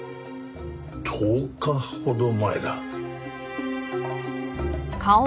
１０日ほど前だ。